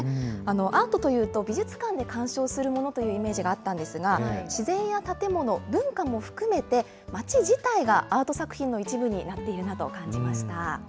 アートというと、美術館で鑑賞するものというイメージがあったんですが、自然や建物、文化も含めて、町自体がアート作品の一部になっているなと感じました。